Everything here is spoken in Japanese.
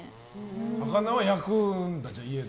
魚は焼くんだ、家で。